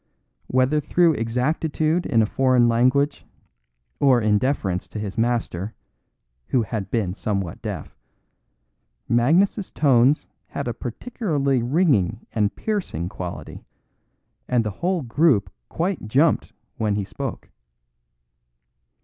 Whether through exactitude in a foreign language, or in deference to his master (who had been somewhat deaf), Magnus's tones had a peculiarly ringing and piercing quality, and the whole group quite jumped when he spoke.